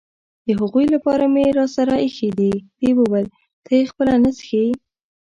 د هغوی لپاره مې راسره اېښي دي، دې وویل: ته یې خپله نه څښې؟